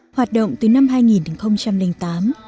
hoạt động từ năm hai nghìn hai nghìn tám